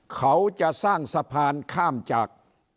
เขาจะสร้างสะพานข้ามจาก